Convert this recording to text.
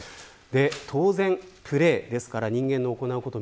当然プレーですから人間の行うこと